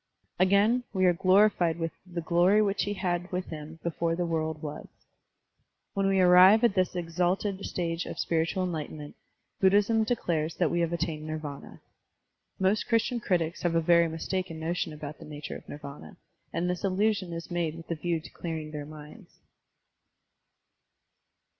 '* Again, we are glorified with the "glory which he had with him before the world was. When we arrive at this exalted stage of spiritual enlightenment, Buddhism declares that we have attained Nirvdna. (Most Christian critics have Digitized by Google 50 SERMONS OF A BUDDHIST ABBOT a very mistaken notion about the nature of Nirvdna, and this allusion is made with the view to clearing their minds.)